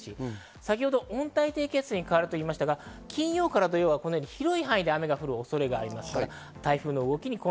先ほど温帯低気圧に変わるといいましたが、金曜から土曜は広い範囲で雨が降る恐れがあります。